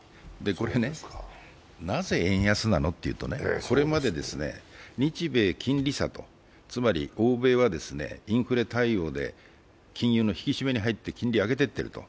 これ、なぜ円安なのっていうとね、これまで日米金利差とつまり欧米はインフレ対応で金融の引き締めに入って金利を上げていってると。